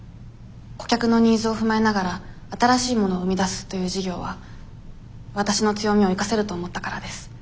顧客のニーズを踏まえながら新しいものを生み出すという事業はわたしの強みを生かせると思ったからです。